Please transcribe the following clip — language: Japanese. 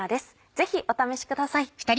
ぜひお試しください。